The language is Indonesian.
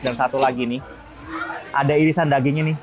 dan satu lagi nih ada irisan dagingnya nih